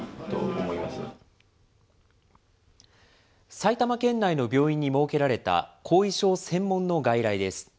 埼玉県内の病院に設けられた後遺症専門の外来です。